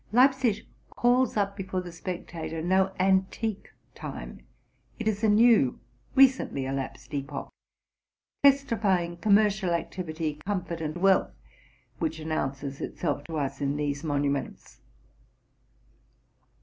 Leipzig calls up before the spectator no antique time: it is a new, recently elapsed epoch, testify ing commercial activity, comfort and wealth, which announces RELATING TO MY LIFE. 203 itself to us in these monuments.